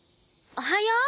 おはよう！